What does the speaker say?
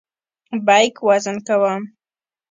بیک وزن کوم.